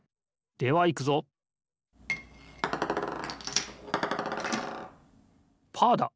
ではいくぞパーだ！